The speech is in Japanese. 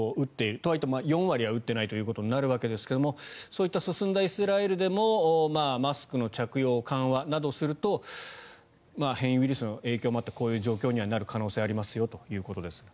とはいっても４割は打っていないということになるわけですがそういった進んだイスラエルでもマスク着用の緩和などをすると変異ウイルスの影響もあってこういう状況になる可能性はありますよということです。